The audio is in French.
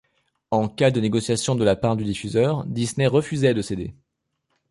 En cas de négociation de la part du diffuseur Disney refusait de céder.